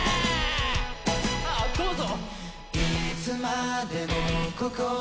あどうぞ！